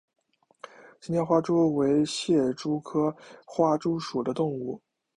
新疆花蛛为蟹蛛科花蛛属的动物。